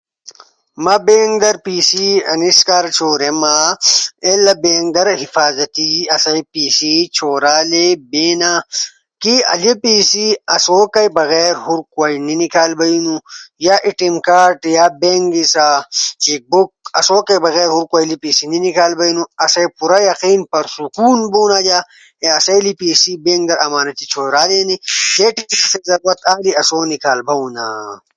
اسئ پیسی بینک ادامو راݜینو کی بینک ایک ادارہ ہنی سہ اسی پیسئ منجا چورے سہ اسئ پیسی ہورو خلق کوتی نی دی۔ نو سہ اسئ پیسی بیلی نو اسئ دادا نی دی نو او اسئ دادائ پیسئ اسو تی نی دینو